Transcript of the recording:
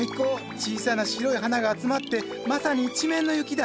小さな白い花が集まってまさに一面の雪だ。